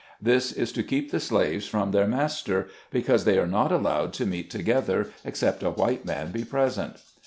This is to keep the slaves from their mas ter, because they are not allowed to meet together, except a white man be present.